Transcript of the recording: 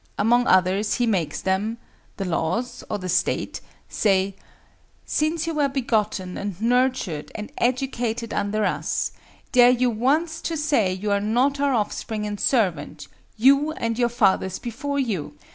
Among others he makes them (the laws, or the state) say:—"Since you were begotten and nurtured and educated under us, dare you once to say you are not our offspring and servant, you and your fathers before you!"